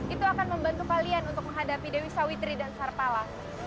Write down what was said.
itu akan membantu kalian untuk menghadapi dewi sawitri dan sarpala